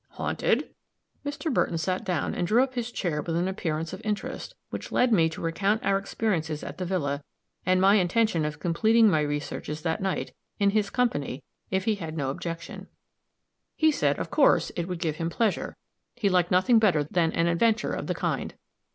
"Haunted?" Mr. Burton sat down and drew up his chair with an appearance of interest, which led me to recount our experiences at the villa, and my intention of completing my researches that night, in his company, if he had no objection. He said, "Of course; it would give him pleasure; he liked nothing better than an adventure of the kind."